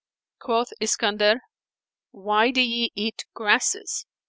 Quoth Iskandar, "Why do ye eat grasses?"